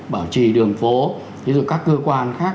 bảo trì đường phố ví dụ các cơ quan khác